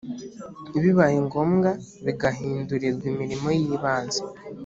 bibaye ngombwa bigahindurirwa imirimo y ibanze